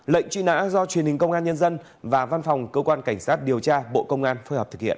lệnh truy nã do truyền hình công an nhân dân và văn phòng cơ quan cảnh sát điều tra bộ công an phối hợp thực hiện